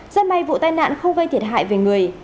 rất may vụ tai nạn không gây thiệt hại về người